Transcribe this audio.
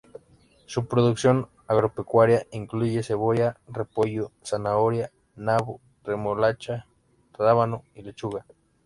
Su producción agropecuaria incluye cebolla, repollo, zanahoria, nabo, remolacha, rábano y lechuga.